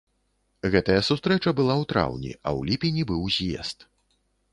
Гэтая сустрэча была ў траўні, а ў ліпені быў з'езд.